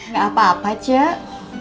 gak apa apa cuk